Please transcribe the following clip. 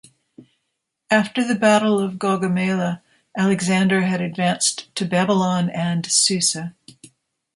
After the Battle of Gaugamela, Alexander had advanced to Babylon and Susa.